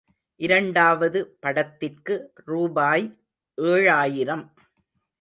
இரண்டாவது படத்திற்கு ரூபாய் ஏழாயிரம்.